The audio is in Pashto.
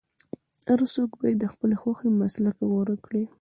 هر څوک باید د خپلې خوښې مسلک غوره کړي.